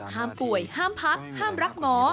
ป่วยห้ามพักห้ามรักหมอ